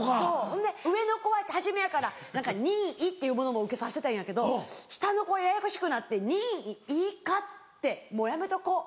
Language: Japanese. そう上の子は初めやから任意っていうものも受けさせてたんやけど下の子はややこしくなって任意いいかってやめとこう。